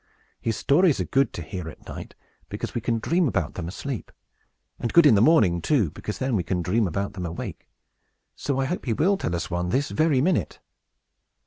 His stories are good to hear at night, because we can dream about them asleep; and good in the morning, too, because then we can dream about them awake. So I hope he will tell us one this very minute."